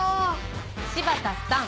柴田さん。